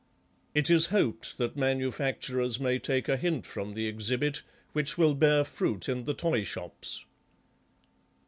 . It is hoped that manufacturers may take a hint from the exhibit, which will bear fruit in the toy shops."